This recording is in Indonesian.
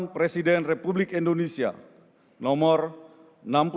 presiden republik indonesia joko bapak